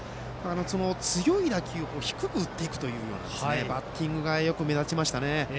強い打球を低く打っていくというバッティングが目立ちましたね。